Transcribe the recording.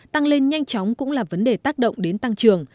tăng lên nhanh chóng cũng là vấn đề tác động đến tăng trưởng